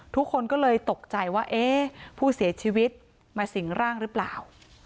ทุกคนก็เลยตกใจว่าเอ๊ะผู้เสียชีวิตมาสิ่งร่างหรือเปล่า